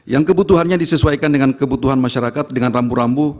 yang kebutuhannya disesuaikan dengan kebutuhan masyarakat dengan rambu rambu